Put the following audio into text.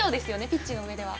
ピッチの上では。